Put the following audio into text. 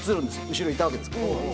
後ろいたわけですから。